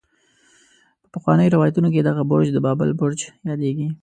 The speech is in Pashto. په پخوانو روايتونو کې دغه برج د بابل برج يادېږي.